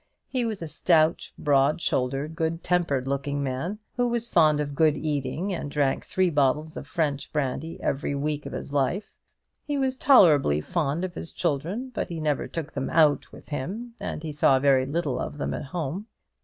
He was a stout, broad shouldered, good tempered looking man, who was fond of good eating, and drank three bottles of French brandy every week of his life. He was tolerably fond of his children; but he never took them out with him, and he saw very little of them at home.